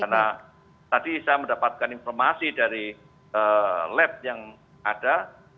karena tadi saya mendapatkan informasi dari lab yang ada